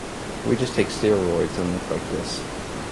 We just take steroids and look like this.